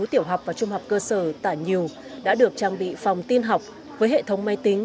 tiểu học và trung học cơ sở tả nhiều đã được trang bị phòng tin học với hệ thống máy tính